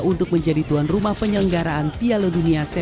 untuk menjadi tuan rumah penyelenggaraan piala dunia u dua puluh